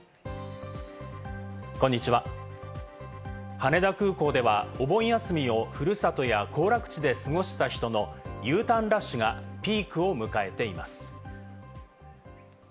羽田空港では、お盆休みをふるさとや行楽地で過ごした人のＵターンラッシュがピークを迎えています。